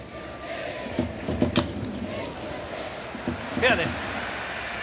フェアです。